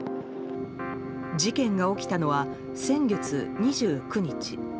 事件が起きたのは先月２９日。